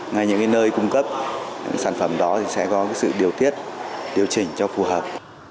ngay những nơi cung cấp sản phẩm đó sẽ có sự điều tiết điều chỉnh cho phù hợp